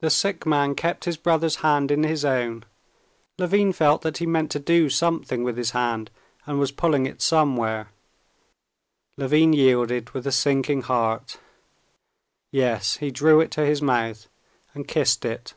The sick man kept his brother's hand in his own. Levin felt that he meant to do something with his hand and was pulling it somewhere. Levin yielded with a sinking heart: yes, he drew it to his mouth and kissed it.